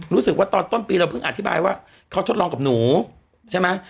รู้สึกว่าตอนต้นปีเราเพิ่งอธิบายว่าเขาทดลองกับหนูใช่ไหม